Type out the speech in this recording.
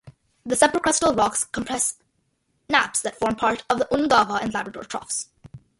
The supracrustal rocks comprise nappes that form part of the Ungava and Labrador troughs.